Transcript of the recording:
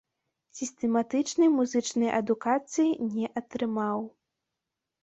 Сістэматычнай музычнай адукацыі не атрымаў.